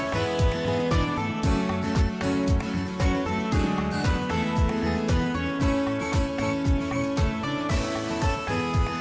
โปรดติดตามตอนต่อไป